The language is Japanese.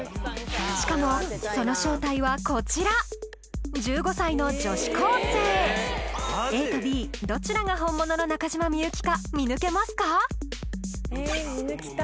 しかもその正体はこちらＡとＢどちらが本物の中島みゆきか見抜けますか？